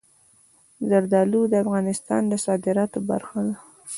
زردالو د افغانستان د صادراتو برخه ده.